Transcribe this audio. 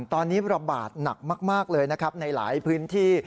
ตอนนี้ระบาดหนักมากเลยนะครับในหลายพื้นที่